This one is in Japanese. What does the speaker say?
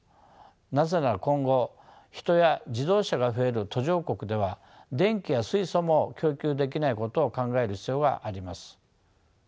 なぜなら今後人や自動車が増える途上国では電気や水素も供給できないことを考える必要があります。